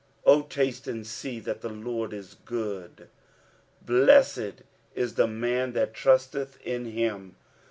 8 O taste and see that the Lord is good : blessed is the man that tnisteth in him.